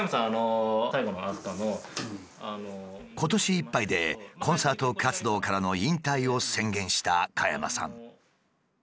今年いっぱいでコンサート活動からの引退を宣言した加山さん。